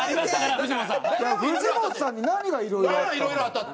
藤本さんに何がいろいろあったの？